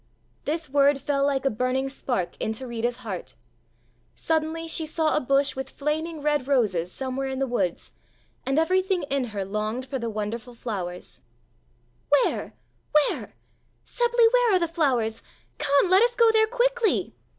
This word fell like a burning spark into Rita's heart. Suddenly she saw a bush with flaming red roses somewhere in the woods, and everything in her longed for the wonderful flowers. [Illustration: "COME, LET US GO THERE QUICKLY!"] "Where, where? Seppli, where are the flowers? Come, let us go there quickly!"